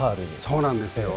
そうなんですよ。